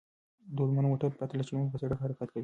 دا اتومات موټر پرته له چلوونکي په سړک حرکت کوي.